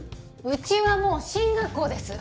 うちはもう進学校です。